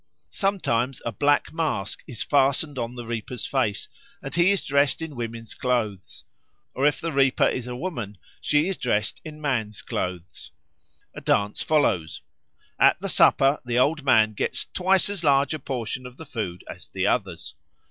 Sometimes a black mask is fastened on the reaper's face and he is dressed in woman's clothes; or if the reaper is a woman, she is dressed in man's clothes. A dance follows. At the supper the Old Man gets twice as large a portion of the food as the others.